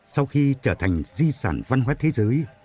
sau khi trở thành di sản văn hóa thế giới